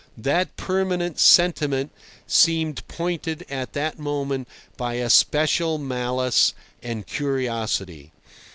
That permanent sentiment seemed pointed at that moment by especial malice and curiosity.